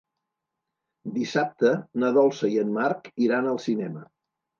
Dissabte na Dolça i en Marc iran al cinema.